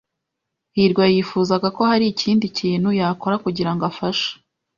hirwa yifuzaga ko hari ikindi kintu yakora kugirango afashe.